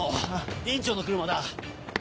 院長の車だ。